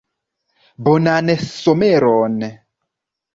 Bonan someron!